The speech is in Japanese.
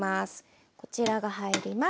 こちらが入ります。